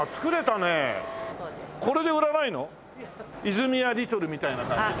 泉屋リトルみたいな感じでさ。